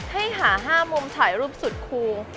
ให้หา๕มุมถ่ายรูปสุดคู